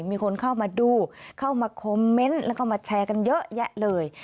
มีคนเข้ามาดูเข้ามาคอมเมนต์แล้วก็มาแชร์กันเยอะแยะเลย